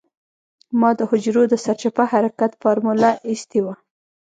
ما د حجرو د سرچپه حرکت فارموله اېستې وه.